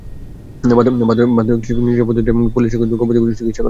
বাধ্য হয়ে কৃষকেরা নিজস্ব পদ্ধতিতে এবং পল্লিচিকিৎসক দিয়ে গবাদিপশুর চিকিৎসা করাচ্ছেন।